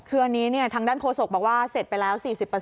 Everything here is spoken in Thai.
คืออันนี้ทางด้านโฆษกบอกว่าเสร็จไปแล้ว๔๐